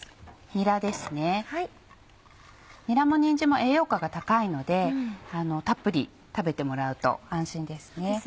にらもにんじんも栄養価が高いのでたっぷり食べてもらうと安心です。